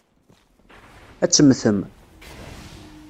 Ad temmtem.